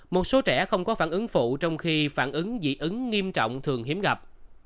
một số trẻ không có phản ứng phụ trong khi phản ứng dị ứng nghiêm trọng thường hiếm gặp